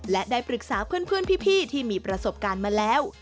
และได้ปรึกษาเพื่อนพี่ที่มีประสบการณ์มาแล้ว